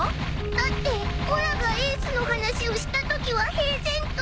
だっておらがエースの話をしたときは平然と。